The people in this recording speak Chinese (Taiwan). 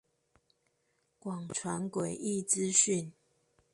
廣傳詭異資訊